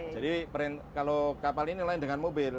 jadi kalau kapal ini lain dengan mobil